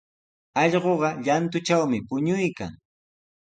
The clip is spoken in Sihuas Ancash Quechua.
Allquqa llantutrawmi puñuykan.